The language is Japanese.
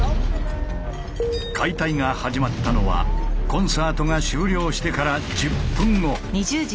解体が始まったのはコンサートが終了してから１０分後。